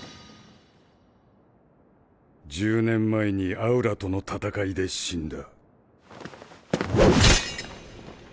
１０年前にアウラとの戦いで死んだ。